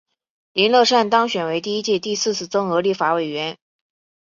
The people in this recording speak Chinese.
林乐善当选为第一届第四次增额立法委员。